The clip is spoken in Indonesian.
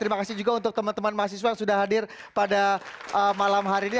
terima kasih juga untuk teman teman mahasiswa yang sudah hadir pada malam hari ini